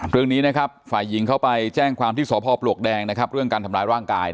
เรื่องนี้นะครับฝ่ายหญิงเข้าไปแจ้งความที่สพปลวกแดงนะครับเรื่องการทำร้ายร่างกาย